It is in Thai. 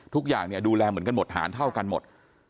ทุกอย่างดูแลเหมือนกันหมดหารเท่ากันหมด